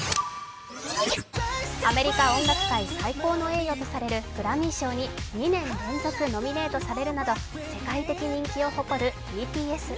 アメリカ音楽界最高の栄誉とされるグラミー賞に２年連続ノミネートされるなど世界的人気を誇るＢＴＳ。